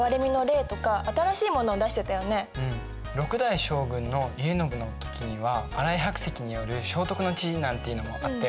６代将軍の家宣の時には新井白石による正徳の治なんていうのもあったよね。